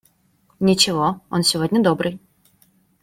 Ничего, он сегодня добрый.